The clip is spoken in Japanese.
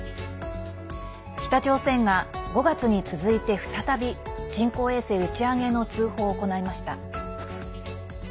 北朝鮮が５月に続いて再び人工衛星打ち上げの通報を行いました。